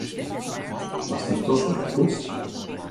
Hast dyn tosken al poetst?